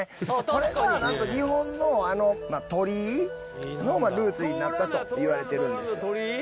これがなんと日本の鳥居のルーツになったといわれているんですよ。